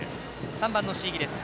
３番の椎木です。